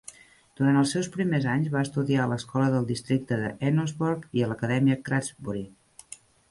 Durant els seus primers anys va estudiar a l'escola del Districte de Enosburgh i a l'Acadèmia Craftsbury.